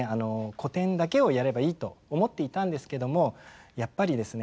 古典だけをやればいいと思っていたんですけどもやっぱりですね